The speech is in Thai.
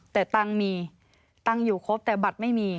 แต่ตังค์มีตังค์อยู่ครบแต่บัตรไม่มี